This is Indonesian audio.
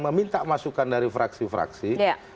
meminta masukan dari fraksi fraksi